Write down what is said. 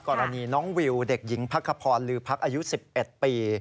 กรณีน้องวิวเด็กหญิงพักขพรลือพักอายุ๑๑ปี